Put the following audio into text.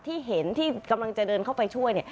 ที่เห็นที่กำลังจะเดินเข้าไปช่วย